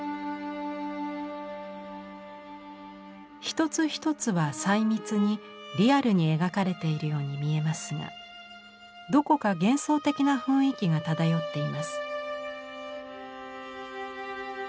一つ一つは細密にリアルに描かれているように見えますがどこか幻想的な雰囲気が漂っています。